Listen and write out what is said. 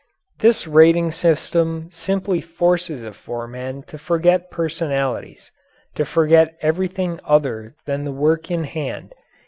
This rating system simply forces a foreman to forget personalities to forget everything other than the work in hand.